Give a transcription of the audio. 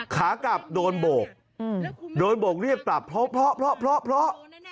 ขากลับโดนโบกโดนโบกเรียกกลับเพราะเพราะ